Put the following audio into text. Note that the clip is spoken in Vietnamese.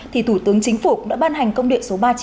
thì thủ tướng chính phủ đã ban hành công điện số ba trăm chín mươi